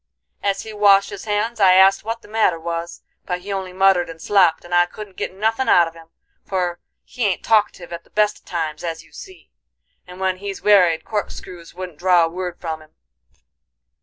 As he washed his hands, I asked what the matter was; but he only muttered and slopped, and I couldn't git nothin' out of him, for he ain't talkative at the best of times as you see, and when he's werried corkscrews wouldn't draw a word from him.